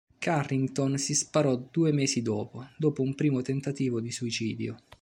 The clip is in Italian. Carrington si sparò due mesi dopo, dopo un primo tentativo di suicidio.